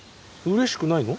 うれしくないの？